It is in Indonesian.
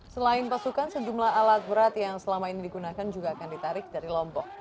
selain pasukan sejumlah alat berat yang selama ini digunakan juga akan ditarik dari lombok